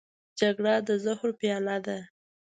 جګړه د زهرو پیاله ده